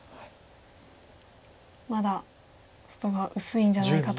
まだ外が薄いんじゃないかと。